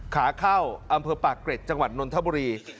ขาเข้าอำเภอปากเกร็ดจังหวัดนนทบุรี